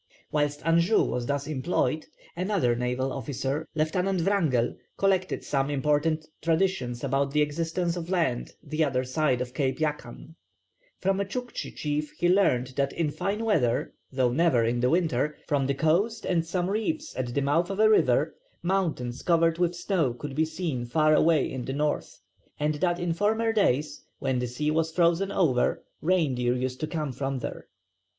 Whilst Anjou was thus employed, another naval officer, Lieutenant Wrangell, collected some important traditions about the existence of land the other side of Cape Yakan. From a Tchouktchi chief he learnt that in fine weather though never in the winter from the coast and some reefs at the mouth of a river mountains covered with snow could be seen far away in the north; and that in former days when the sea was frozen over reindeer used to come from there.